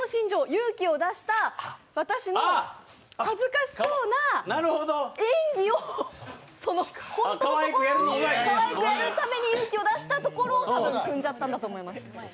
勇気を出した、私の恥ずかしそうな演技をその本当のところをかわいくやるために勇気を出したところを多分くんじゃったんだと思います。